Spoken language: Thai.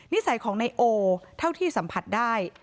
นิสัยของนายโอเท่าที่สัมผัสได้